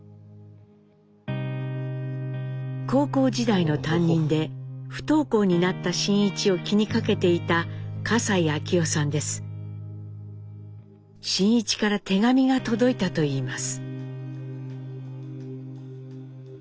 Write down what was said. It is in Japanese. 高校時代の担任で不登校になった真一を気にかけていた真一から手紙が届いたといいます。